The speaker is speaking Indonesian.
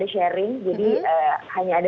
sharing jadi hanya ada